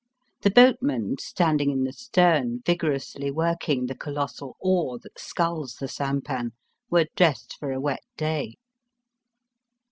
The boatmen, standing in the stem vigorously working the colossal oar that sculls the sampan, were dressed for a wet day.